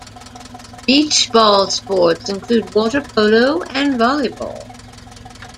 Beach ball sports include water polo and volleyball.